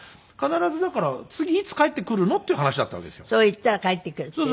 行ったら帰ってくるっていうね。